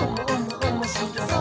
おもしろそう！」